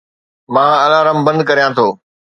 مان الارم بند ڪريان ٿو